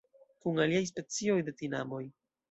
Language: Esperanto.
Kun aliaj specioj de tinamoj.